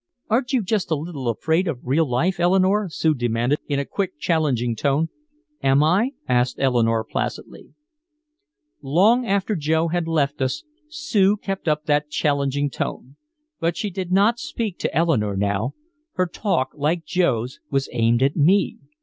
"Aren't you just a little afraid of real life, Eleanore?" Sue demanded, in a quick challenging tone. "Am I?" asked Eleanore placidly. Long after Joe had left us, Sue kept up that challenging tone. But she did not speak to Eleanore now, her talk like Joe's was aimed at me.